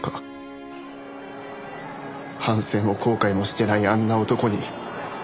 反省も後悔もしてないあんな男に。